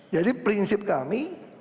jadi prinsip kami